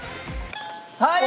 はい！